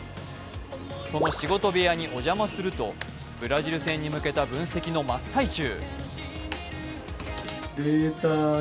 その仕事部屋にお邪魔すると、ブラジル戦に向けた分析の真っただ中。